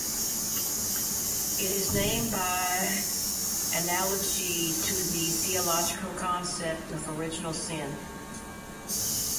It is named by analogy to the theological concept of original sin.